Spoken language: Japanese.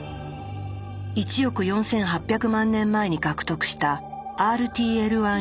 １億４，８００万年前に獲得したＲＴＬ１遺伝子。